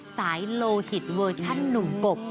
สายโลหิตเวอร์ชั่นหนุ่มกบ